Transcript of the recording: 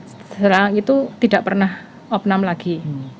setelah itu tidak pernah opnam lagi